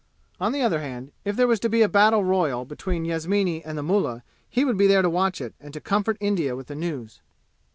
On the other hand, if there was to be a battle royal between Yasmini and the mullah he would be there to watch it and to comfort India with the news.